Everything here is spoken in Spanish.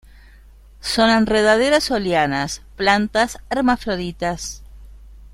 Son enredaderas o lianas; plantas hermafroditas.